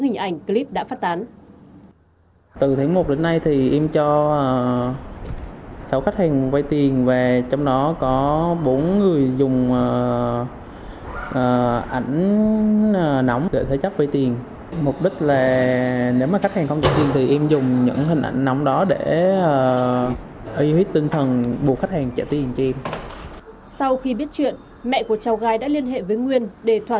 kính chào quý vị và các bạn đến với tiểu mục lệnh truy nã